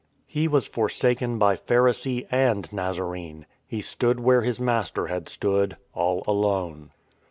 He was forsaken by Pharisee and Nazarene. He stood where his Master had stood — all alone.